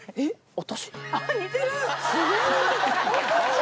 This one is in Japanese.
私？